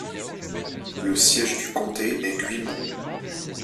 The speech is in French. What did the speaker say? Le siège du comté est Guymon.